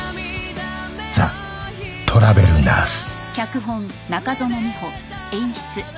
ザ・トラベルナース